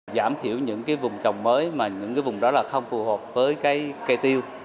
giảm thiểu những cái vùng trồng mới mà những cái vùng đó là không phù hợp với cái cây tiêu